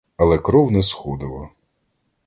Але кров не сходила.